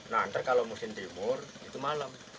nah nanti kalau musim timur itu malam